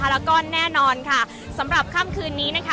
อาจจะออกมาใช้สิทธิ์กันแล้วก็จะอยู่ยาวถึงในข้ามคืนนี้เลยนะคะ